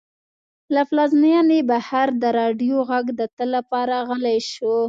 له پلازمېنې بهر د راډیو غږ د تل لپاره غلی شو.